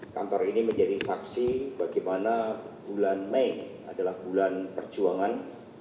kantor ini menjadi saksi bagaimana bulan mei adalah bulan perjuangan